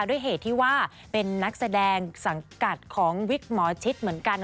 ด้วยเหตุที่ว่าเป็นนักแสดงสังกัดของวิกหมอชิดเหมือนกัน